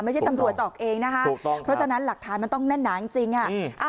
ไม่ใช่จำรวจออกเองนะคะถูกต้องเพราะฉะนั้นหลักฐานมันต้องแน่นหนาจริงจริงอ่ะอืม